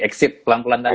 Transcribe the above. exit pelan pelan tadi ya